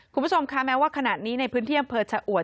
คุณผู้ชมคะแม้ว่าขณะนี้ในพื้นที่อำเภอชะอวด